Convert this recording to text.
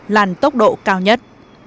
làn tốc độ cao nhất